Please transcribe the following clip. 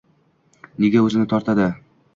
Nega o`zini tortadi